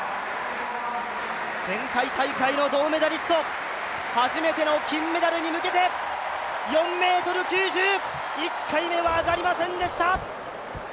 前回大会の銅メダリスト、初めての金メダルに向けて４ｍ９０、１回目は上がりませんでした。